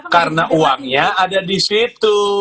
karena uangnya ada di situ